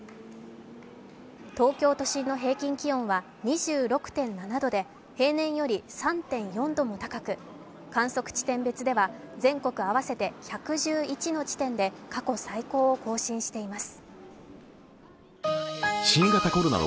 東京都心の平均気温は２６．７度で平年より３．４度も高く、観測地点別では全国合わせて１１１の地点で過去最高を更新しています。